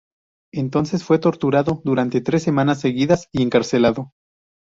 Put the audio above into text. Entonces fue torturado durante tres semanas seguidas y encarcelado.